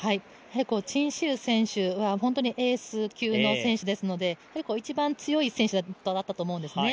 陳思羽選手はエース級の選手ですので一番強い選手だったと思うんですね。